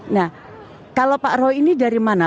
nah kalau pak roy ini dari mana